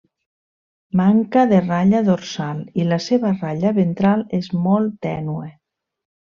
Manca de ratlla dorsal i la seva ratlla ventral és molt tènue.